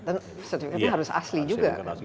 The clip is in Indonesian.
dan sertifikatnya harus asli juga